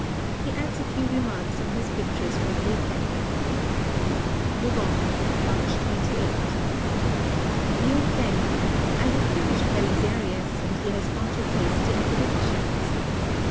He adds a few remarks on his pictures for the Academy. Boulogne, March 28. DEAR PEN,—I have finished Belisarius, and he has gone to face the Academicians.